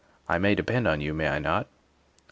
" I may depend on you, may I not ?